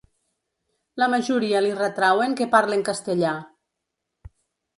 La majoria li retrauen que parle en castellà.